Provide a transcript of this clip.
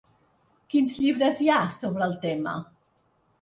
Quins llibres hi ha sobre el tema?